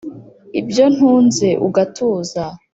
ibyo ntunze ugatuza